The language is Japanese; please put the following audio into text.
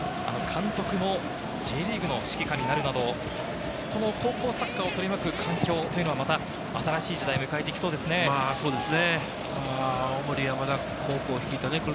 城さん、監督もＪリーグの指揮官になるなど、この高校サッカーを取り巻く環境というのは、また新しい時代を迎えて行きそうですね。